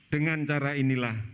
dengan cara inilah